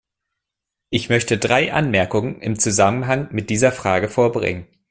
Ich möchte drei Anmerkungen im Zusammenhang mit dieser Anfrage vorbringen.